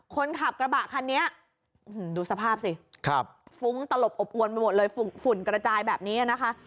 คนขับกระบะคันนี้ดูสภาพสิฟุ้งตลบอบอวนไปหมดเลยฝุ่นกระจายแบบนี้นะคะ